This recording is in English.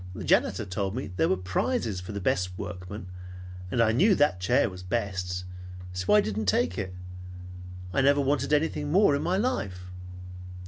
The janitor told me there were prizes for the best workmen, and I knew that chair was best. So I didn't take it. I never wanted anything more, in my life!"